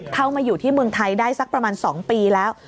เข้ามาอยู่ที่เมืองไทยได้สักประมาณ๒ปีแล้ว